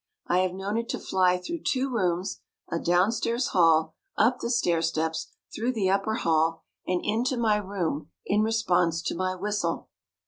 I have known it to fly through two rooms, a downstairs hall, up the stair steps, through the upper hall, and into my room in response to my whistle.